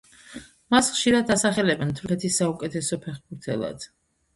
მას ხშირად ასახელებენ თურქეთის საუკეთესო ფეხბურთელად.